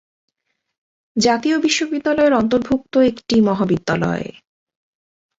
জাতীয় বিশ্ববিদ্যালয়ের অন্তর্ভুক্ত একটি মহাবিদ্যালয়।